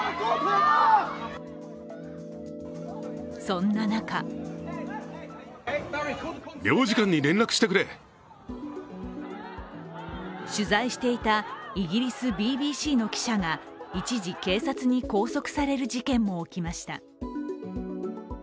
そんな中取材していたイギリスＢＢＣの記者が一時、警察に拘束される事件も起きました。